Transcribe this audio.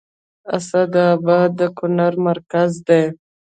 اسداباد د کونړ مرکز دی